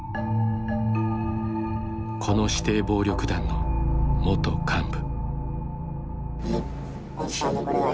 この指定暴力団の元幹部。